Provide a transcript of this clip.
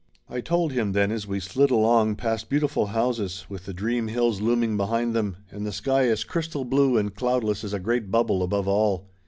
I told him then, as we slid along past beautiful houses, with the dream hills looming behind them, and the sky as crystal blue and cloudless as a great bubble above all.